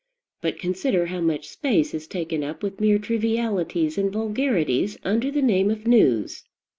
But consider how much space is taken up with mere trivialities and vulgarities under the name of news.